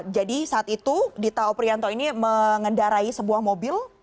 jadi saat itu dita upriyarto ini mengendarai sebuah mobil